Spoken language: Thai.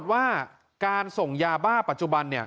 ส่งมาขอความช่วยเหลือจากเพื่อนครับ